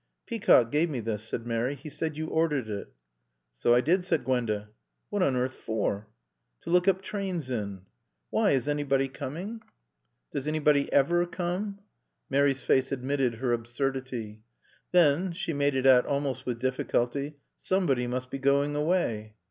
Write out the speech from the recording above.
"Peacock gave me this," said Mary. "He said you ordered it." "So I did," said Gwenda. "What on earth for?" "To look up trains in." "Why is anybody coming?" "Does anybody ever come?" Mary's face admitted her absurdity. "Then" she made it out almost with difficulty "somebody must be going away."